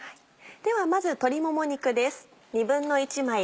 ではまず鶏もも肉です。